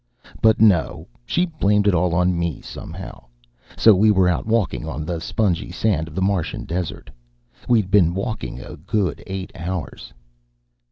But no; she blamed it all on me somehow: So we were out walking on the spongy sand of the Martian desert. We'd been walking a good eight hours.